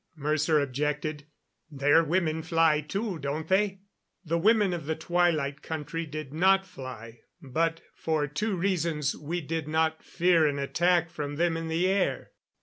Mercer objected. "Their women fly, too, don't they?" The women of the Twilight Country did fly, but for two reasons we did not fear an attack from them in the air.